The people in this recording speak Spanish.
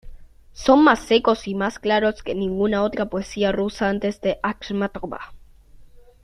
Son más secos y más claros que ninguna otra poesía rusa antes de Ajmátova.